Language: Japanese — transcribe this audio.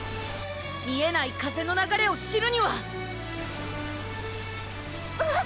見えない風の流れを知るにはうん？